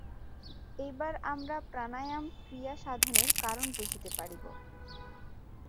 এইবার আমরা প্রাণায়াম-ক্রিয়া সাধনের কারণ বুঝিতে পারিব।